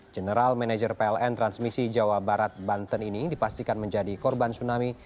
general manager pln transmisi jawa barat banten ini dipastikan menjadi korban tsunami